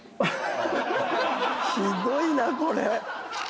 ひどいなこれ。